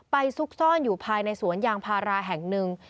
ซุกซ่อนอยู่ภายในสวนยางพาราแห่งหนึ่ง